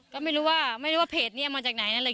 ก็ไม่รู้ว่าไม่รู้ว่าเพจนี้มาจากไหนนั่นเลย